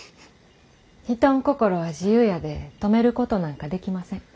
人ん心は自由やで止めることなんかできません。